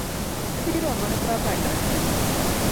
Adhi romo ne baba e ndara